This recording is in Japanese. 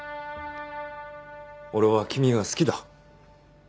俺は君が好きだ。